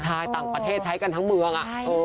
ใช่ต่างประเทศใช้กันทั้งเมือง